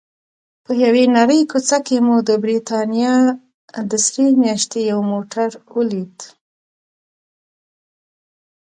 په یوې نرۍ کوڅه کې مو د بریتانیا د سرې میاشتې یو موټر ولید.